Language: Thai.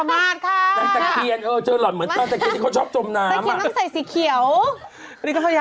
เมินเหมือนกันพป๊บับ